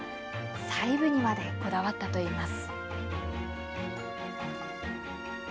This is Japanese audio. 細部にまでこだわったと言います。